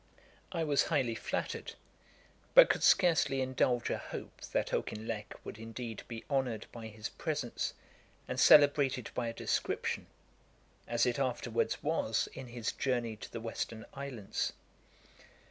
I was highly flattered, but could scarcely indulge a hope that Auchinleck would indeed be honoured by his presence, and celebrated by a description, as it afterwards was, in his Journey to the Western Islands. [Page 463: Tea with Miss Williams.